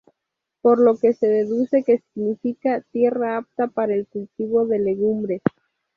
Por lo que se deduce que significa; Tierra apta para el cultivo de legumbres.